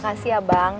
makasih ya bang